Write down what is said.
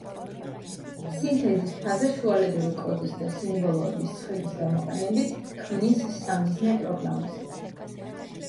სინთეზის ფაზა შუალედური კოდის და სიმბოლოების ცხრილის გამოყენებით ქმნის სამიზნე პროგრამას.